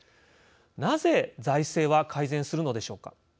なぜ財政は改善するのでしょうか。